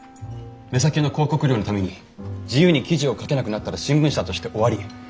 目先の広告料のために自由に記事を書けなくなったら新聞社として終わり。